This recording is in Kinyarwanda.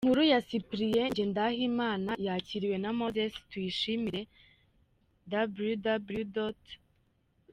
Inkuru ya Cyplien Ngendahimana, Yakiriwe na Moses Tuyishimire, www.